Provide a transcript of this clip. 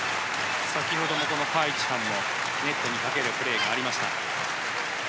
先ほどのカ・イチハンのネットにかけるプレーがありました。